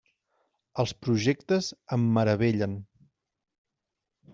Els projectes em meravellen.